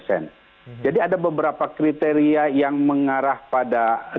nuntau di daerah apa yang harus dipahami